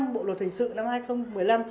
bộ luật hình sự năm hai nghìn một mươi năm